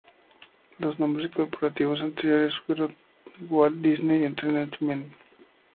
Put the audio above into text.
Los nombres corporativos anteriores fueron: Walt Disney Entertainment, Inc.